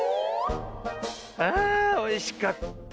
あおいしかった。